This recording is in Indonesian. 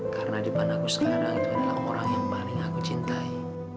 karena di depan aku sekarang itu adalah orang yang paling aku cintai